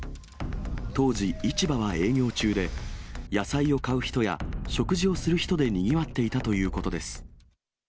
当時、市場は営業中で、野菜を買う人や食事をする人でにぎわっていたということです。